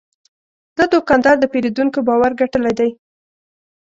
دا دوکاندار د پیرودونکو باور ګټلی دی.